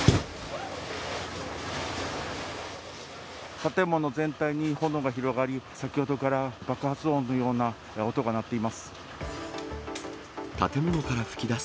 建物全体に炎が広がり、先ほどから爆発音のような音が鳴っています。